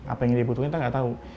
apa yang dibutuhkan kita gak tau